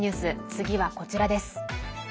次はこちらです。